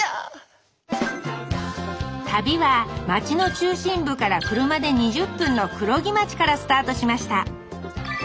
旅は町の中心部から車で２０分の黒木町からスタートしました。